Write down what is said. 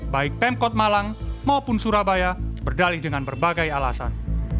baik pemkot malang maupun surabaya berdalih dengan berbagai alasan